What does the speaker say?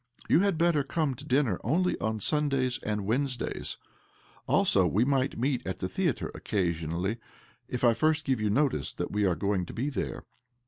You had better come to dinner only on Sundays and Wednes days. Also, we might meet at the theatre occasionally, if I first give you notice that we are going to be there.